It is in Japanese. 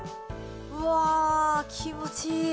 うわ気持ちいい。